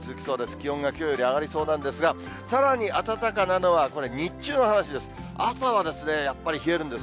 気温がきょうより上がりそうなんですが、さらに暖かなのは、これ、日中の話です。